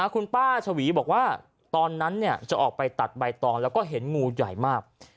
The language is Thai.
คุณป้าชวีบอกว่าตอนนั้นจะออกไปตัดใบตองแล้วก็เห็นงูใหญ่มาก